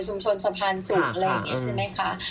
ชนสะพานสูงอะไรอย่างนี้ใช่ไหมคะ